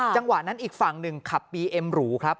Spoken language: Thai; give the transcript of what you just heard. จังหวะนั้นอีกฝั่งหนึ่งขับบีเอ็มหรูครับ